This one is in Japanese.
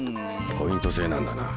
ポイント制なんだな。